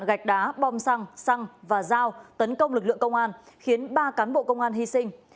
gạch đá bom xăng và dao tấn công lực lượng công an khiến ba cán bộ công an hy sinh